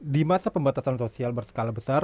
di masa pembatasan sosial berskala besar